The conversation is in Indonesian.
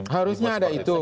harusnya ada itu